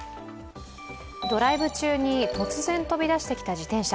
ドライブ中に突然飛び出してきた自転車。